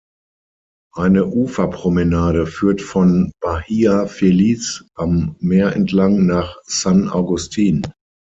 Eine Uferpromenade führt von Bahia Feliz am Meer entlang nach San Agustin.